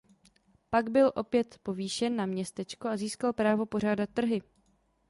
Pak byl opět povýšen na městečko a získal právo pořádat trhy.